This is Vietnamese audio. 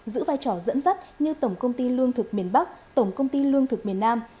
giữ vai trò dẫn dắt như tổng công ty lương thực miền bắc tổng công ty lương thực miền nam